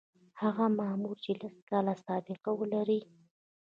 هغه مامور چې لس کاله سابقه ولري.